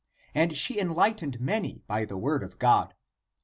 And she enlightened many by the word of God.